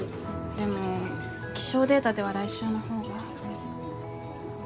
でも気象データでは来週の方が。